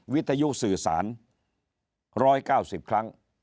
วิทยุสื่อสาร๑๙๐ครั้ง